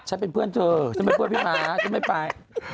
ที่ทำเพื่อนเธอฉันไม่บริเวณพี่ม้าก็ไม่ไป